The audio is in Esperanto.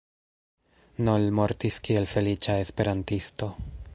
Noll mortis kiel feliĉa esperantisto.